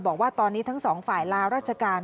บอกว่าตอนนี้ทั้งสองฝ่ายลาราชการ